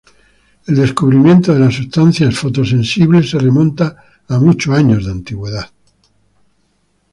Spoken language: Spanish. El descubrimiento de las sustancias fotosensibles se remonta a muchos años de antigüedad.